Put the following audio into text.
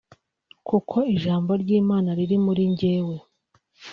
kuko ijambo ry’Imana riri muri njyewe